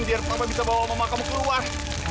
biar papa bisa bawa mama kamu keluar